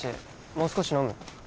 もう少し飲む？